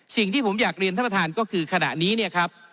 สิ่งที่ผมอยากเรียนท่านประธานก็คือขณะนี้เนี่ยครับ